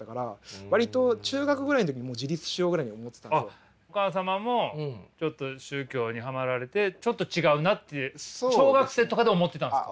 あっお母様もちょっと宗教にハマられてちょっと違うなって小学生とかで思ってたんですか。